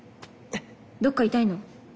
どっか痛いの？